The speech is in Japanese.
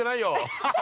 ハハハハ！